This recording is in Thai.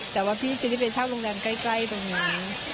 แต่ว่าพี่จะได้ไปเช่าโรงแรมใกล้ตรงนี้